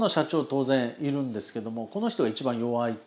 当然いるんですけどもこの人がいちばん弱い。